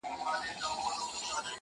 په میراث یې عقل وړی له خپل پلار وو!!